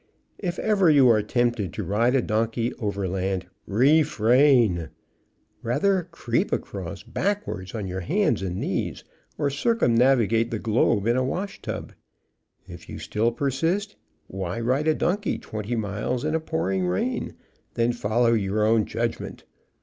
If ever you are tempted to ride a donkey overland, REFRAIN. Rather creep across backwards on your hands and knees, or circumnavigate the globe in a washtub. If you still persist, why, ride a donkey twenty miles in a pouring rain, then follow your own judgment.